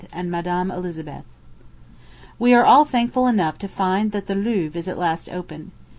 and Madame Elizabeth. We were all thankful enough to find that the Louvre is at last open.